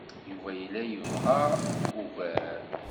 Yuba yella yebɣa ugar.